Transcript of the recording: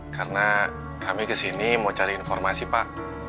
karena kami kesini mau cari informasi pak